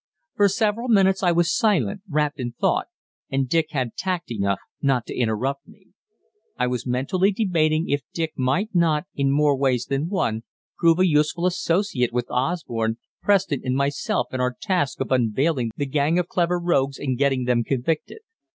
For several minutes I was silent, wrapped in thought, and Dick had tact enough not to interrupt me. I was mentally debating if Dick might not, in more ways than one, prove a useful associate with Osborne, Preston and myself in our task of unveiling the gang of clever rogues and getting them convicted.